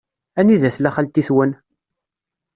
Anida tella xalti-twen?